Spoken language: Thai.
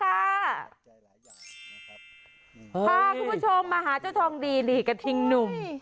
พาคุณผู้ชมมาหาเจ้าทองดีกระทิงหนุ่ม